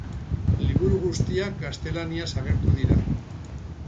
Liburu guztiak gaztelaniaz agertu dira.